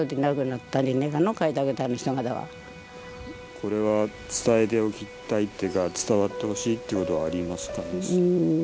これは伝えておきたいっていうか伝わってほしいっていうことはありますかね？